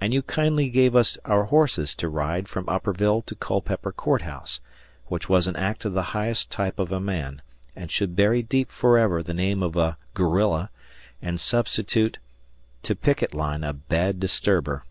And you kindly gave us our horses to ride from Upperville to Culpeper Court House, which was an act of the highest type of a man, and should bury deep forever the name of a "guerrilla" and substitute "to picket line a bad disturber."